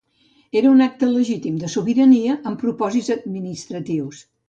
Era un acte legítim de sobirania, amb propòsits administratius.